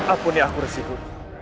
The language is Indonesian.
apunnya aku resipu